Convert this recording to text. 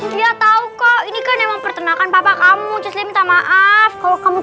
dia tahu kok ini kan emang pertenakan papa kamu cus dia minta maaf kalau kamu